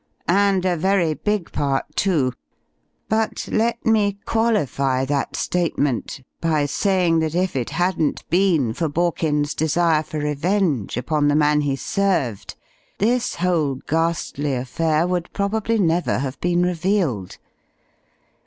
And a very big part, too. But, let me qualify that statement by saying that if it hadn't been for Borkins's desire for revenge upon the man he served, this whole ghastly affair would probably never have been revealed.